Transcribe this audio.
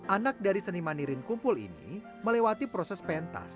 anak dari seni manirin kumpul ini melewati proses pentas